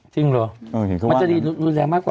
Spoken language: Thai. จริงเหรอมันจะดีรุนแรงมากกว่า